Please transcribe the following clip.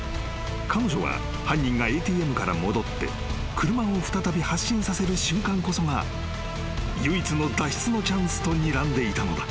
彼女は犯人がＡＴＭから戻って車を再び発進させる瞬間こそが唯一の脱出のチャンスとにらんでいたのだ］